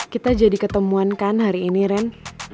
kita jadi ketemuan kan hari ini ren